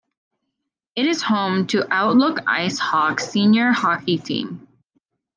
It is home to the Outlook Ice Hawks senior hockey team.